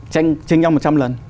tranh nhau một trăm linh lần